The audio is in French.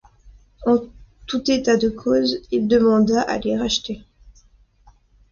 En tout état de cause, il demanda à les racheter.